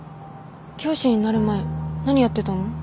教師になる前何やってたの？